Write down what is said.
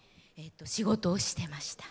仕事をしてました。